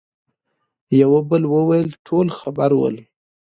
يوه بل وويل: ټول خبر ول.